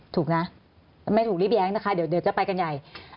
ถูกนะไม่ถูกรีบแย้งนะคะเดี๋ยวจะไปกันใหญ่